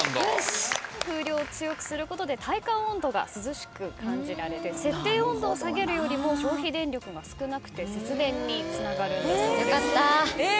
風量を強くすることで体感温度が涼しく感じられて設定温度を下げるよりも消費電力が少なくて節電につながるんだそうです。え！